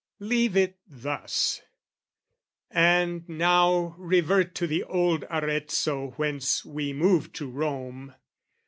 Leave it thus, and now revert To the old Arezzo whence we moved to Rome.